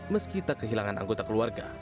meski tak kehilangan anggota keluarga